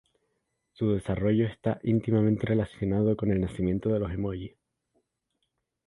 Su desarrollo está íntimamente relacionado con el nacimiento de los emoji.